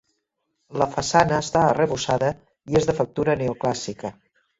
La façana està arrebossada i és de factura neoclàssica.